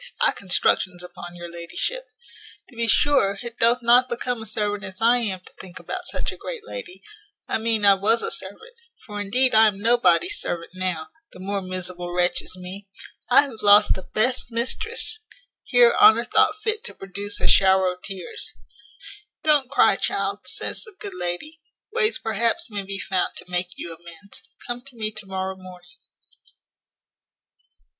I constructions upon your ladyship to be sure it doth not become a servant as I am to think about such a great lady I mean I was a servant: for indeed I am nobody's servant now, the more miserable wretch is me. I have lost the best mistress " Here Honour thought fit to produce a shower of tears. "Don't cry, child," says the good lady; "ways perhaps may be found to make you amends. Come to me to morrow morning."